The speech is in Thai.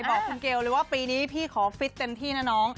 บอกคุณเกลเลยว่าปีนี้พี่ขอฟิตเต็มที่นะน้อง